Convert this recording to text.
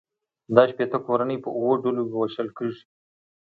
دا شپیته کورنۍ په اووه ډلو وېشل کېږي